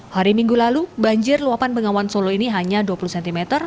hari minggu lalu banjir luapan bengawan solo ini hanya dua puluh cm